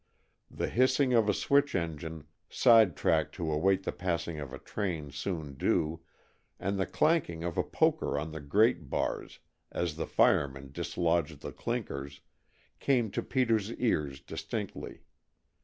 The hissing of a switch engine, sidetracked to await the passing of a train soon due, and the clanking of a poker on the grate bars as the fireman dislodged the clinkers, came to Peter's ears distinctly.